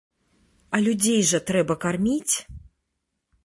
А людзей жа трэба карміць!